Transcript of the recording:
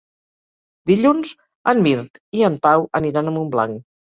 Dilluns en Mirt i en Pau aniran a Montblanc.